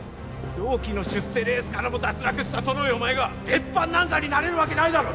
同期の出世レースからも脱落したトロいお前が別班なんかになれるわけないだろ！